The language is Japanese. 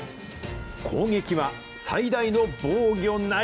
攻撃は最大の防御なり。